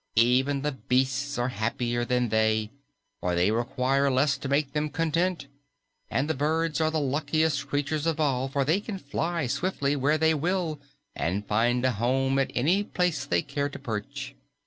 Even the beasts are happier than they, for they require less to make them content. And the birds are the luckiest creatures of all, for they can fly swiftly where they will and find a home at any place they care to perch.